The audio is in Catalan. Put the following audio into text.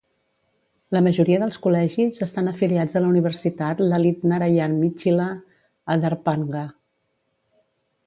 La majoria dels col·legis estan afiliats a la Universitat Lalit Narayan Mithila, a Darbhanga.